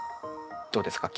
どうですか？